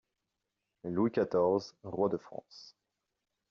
Louis quatorze, roi de France.